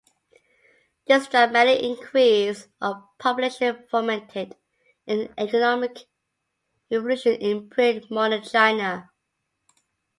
This dramatic increase of population fomented an economic revolution in pre-modern China.